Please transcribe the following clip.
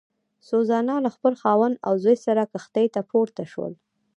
سوزانا له خپل خاوند او زوی سره کښتۍ ته پورته شول.